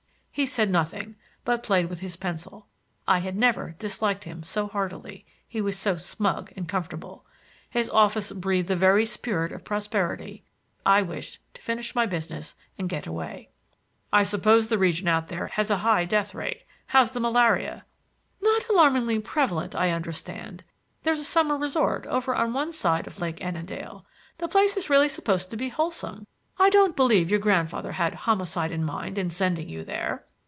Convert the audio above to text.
He said nothing, but played with his pencil. I had never disliked him so heartily; he was so smug and comfortable. His office breathed the very spirit of prosperity. I wished to finish my business and get away. "I suppose the region out there has a high death rate. How's the malaria?" "Not alarmingly prevalent, I understand. There's a summer resort over on one side of Lake Annandale. The place is really supposed to be wholesome. I don't believe your grandfather had homicide in mind in sending you there."